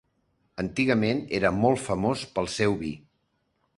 Antigament era molt famós pel seu vi.